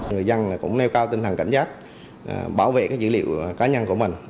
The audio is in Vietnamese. người dân cũng nêu cao tinh thần cảnh giác bảo vệ dữ liệu cá nhân của mình